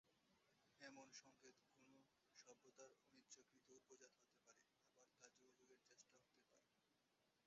এমন সংকেত কোন সভ্যতার অনিচ্ছাকৃত উপজাত হতে পারে, আবার তা যোগাযোগের চেষ্টাও হতে পারে।